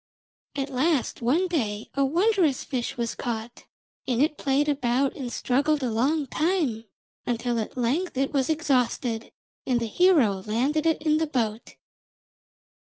At last one day a wondrous fish was caught, and it played about and struggled a long time until at length it was exhausted, and the hero landed it in the boat.